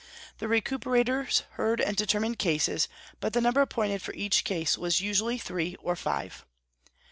The recuperators heard and determined cases, but the number appointed for each case was usually three or five.